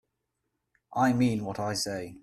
I mean what I say.